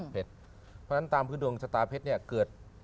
เพราะฉะนั้นตามพื้นดวงชะตาเพชรเนี่ยเกิด